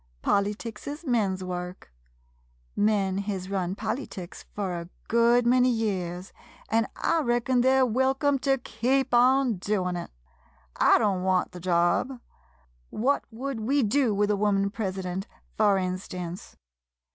Polyticks is men's work. Men hez run polyticks fur a good many years, an' I reckon they 're welcome to keep on doin' it. I don't want the job. What would we do with a woman president, fur instance